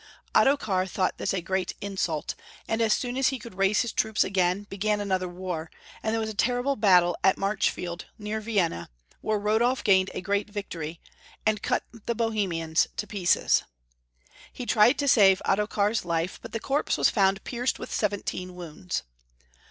Ottokar thought this a great insult, and as soon as he could raise his troops again, began another war, and there was a terrible battle at Marclifield, near Vienna, where Rodolf gained a great victory, and cut the Bohemians to pieces. He tried to save Ottokar's life, but the corpse was found pierced with seventeen wounds.